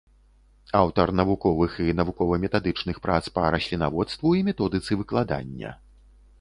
Аўтар навуковых і навукова-метадычных прац па раслінаводству і методыцы выкладання.